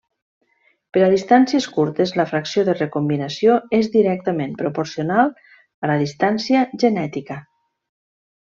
Per a distàncies curtes la fracció de recombinació és directament proporcional a la distància genètica.